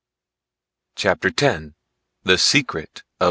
CHAPTER X. THE SECRET OF MR.